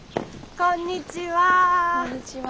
こんにちは。